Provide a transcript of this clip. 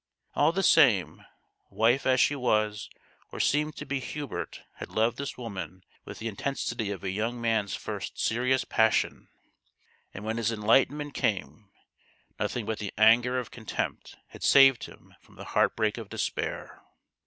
All the same, wife as she was or seemed to be Hubert had loved this woman with the intensity of a young man's first serious passion. And when his enlightenment came, nothing but the anger of contempt had saved him from the heartbreak of despair.